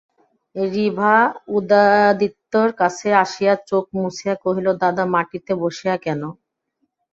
বিভা উদয়াদিত্যের কাছে আসিয়া চোখ মুছিয়া কহিল, দাদা, মাটিতে বসিয়া কেন?